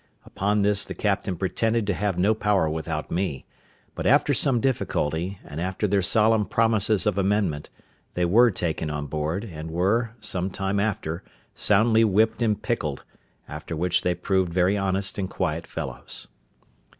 Upon this the captain pretended to have no power without me; but after some difficulty, and after their solemn promises of amendment, they were taken on board, and were, some time after, soundly whipped and pickled; after which they proved very honest and quiet fellows.